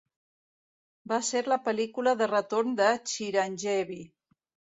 Va ser la pel·lícula de retorn de Chiranjeevi.